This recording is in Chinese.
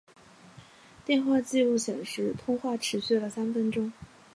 电话记录显示通话持续了三分钟。